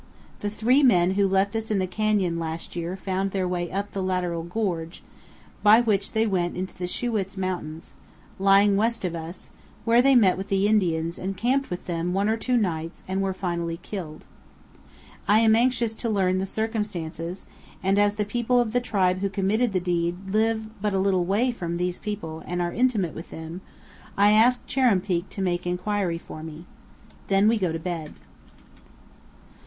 The three men who left us in the canyon last year found their way up the lateral gorge, by which 312 CANYONS OF THE COLORADO. they went into the Shi'wits Mountains, lying west of us, where they met with the Indians and camped with them one or two nights and were finally killed. I am anxious to learn the circumstances, and as the people of the tribe who committed the deed live but a little way from these people and are intimate with them, I ask Chuar'ruumpeak to make inquiry for me. Then we go to bed.